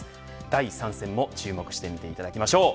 第３戦も注目して見ていただきましょう。